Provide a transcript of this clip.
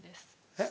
えっ？